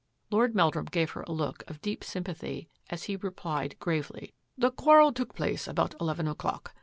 Lord Meldrum gave her a look of deep sympathy as he replied gravely, " The quarrel took place about eleven o'clock.